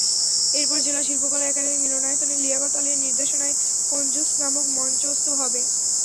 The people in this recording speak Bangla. এরপর জেলা শিল্পকলা একাডেমী মিলনায়তনে লিয়াকত আলীর নির্দেশনায় কঞ্জুস নাটক মঞ্চস্থ হবে।